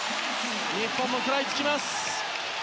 日本も食らいつきます。